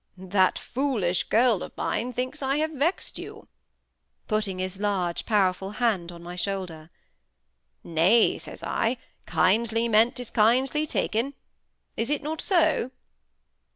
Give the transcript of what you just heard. "That foolish girl of mine thinks I have vexed you"—putting his large, powerful hand on my shoulder. "'Nay,' says I, 'kindly meant is kindly taken'—is it not so?"